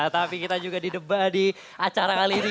tapi kita juga di debat di acara kali ini